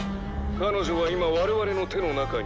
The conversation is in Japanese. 「彼女は今我々の手の中にある」